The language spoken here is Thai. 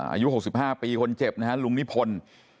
อายุหกสิบห้าปีคนเจ็บนะฮะลุงนิพนธ์